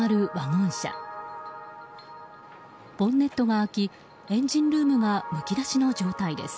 ボンネットが開きエンジンルームがむき出しの状態です。